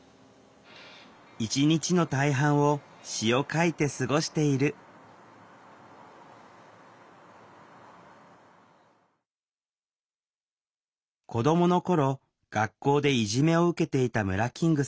一日の大半を詩を書いて過ごしている子どもの頃学校でいじめを受けていたムラキングさん。